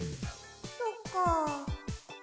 そっかあ。